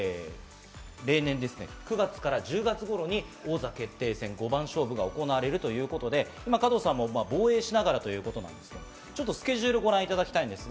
例年９月から１０月頃に王座決定戦五番勝負が行われるということで、加藤さんも防衛しながらということですけど、スケジュールをご覧いただきたいんです。